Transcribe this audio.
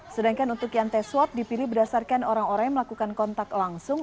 sedangkan untuk yang tes swab dipilih berdasarkan orang orang yang melakukan kontak langsung